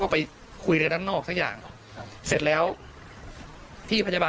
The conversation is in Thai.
ก็ยังได้รับคำตอบเดิมว่า